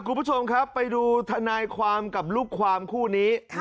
คุณผู้ชมครับไปดูทนายความกับลูกความคู่นี้